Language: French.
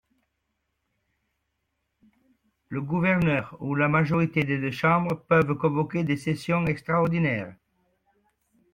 Le gouverneur ou la majorité des deux chambres peuvent convoquer des sessions extraordinnaires.